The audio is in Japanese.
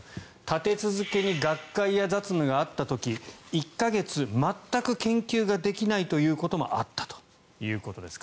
立て続けに学会や雑務があった時１か月全く研究ができないということもあったということです。